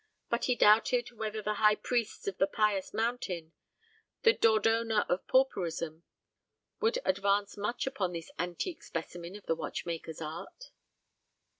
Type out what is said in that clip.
But he doubted whether the high priests of the pious mountain the Dordona of Pauperism would advance much upon this antique specimen of the watchmaker's art.